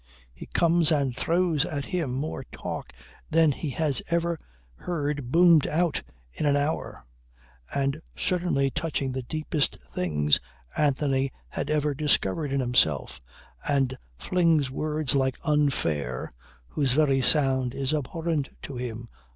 He comes and throws at him more talk than he had ever heard boomed out in an hour, and certainly touching the deepest things Anthony had ever discovered in himself, and flings words like "unfair" whose very sound is abhorrent to him.